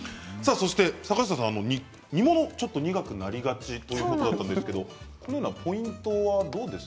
坂下さん、煮物ちょっと苦くなりがちということだったんですがこのようなポイントはどうですか？